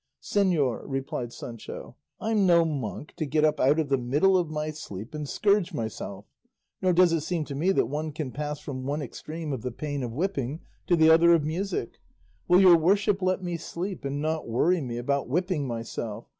"Señor," replied Sancho, "I'm no monk to get up out of the middle of my sleep and scourge myself, nor does it seem to me that one can pass from one extreme of the pain of whipping to the other of music. Will your worship let me sleep, and not worry me about whipping myself?